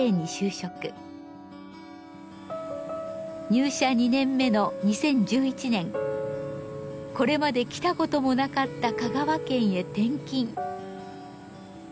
入社２年目の２０１１年これまで来たこともなかった香川県へ転勤。